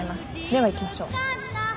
では行きましょう。